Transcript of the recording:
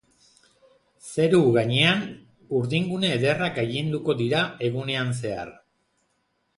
Zeru-gainean urdingune ederrak gailenduko dira egunean zehar.